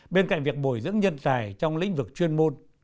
bên cạnh việc bồi dưỡng nhân tài trong lĩnh vực chuyên môn